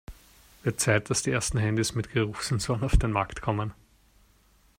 Wird Zeit, dass die ersten Handys mit Geruchssensoren auf den Markt kommen!